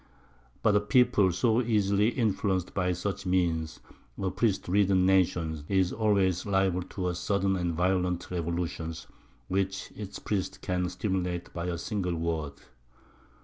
But a people so easily influenced by such means, a priest ridden nation, is always liable to sudden and violent revolutions, which its priests can stimulate by a single word.